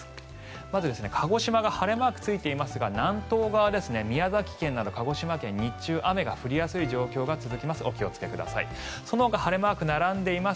まず鹿児島が晴れマークついていますが南東側宮崎県など鹿児島県は日中雨が降りやすい状況が続きます。